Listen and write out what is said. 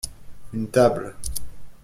Une table.